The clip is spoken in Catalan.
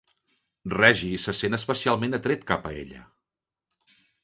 Reggie se sent especialment atret cap a ella.